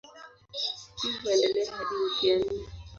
Hii huendelea hadi wiki ya nne.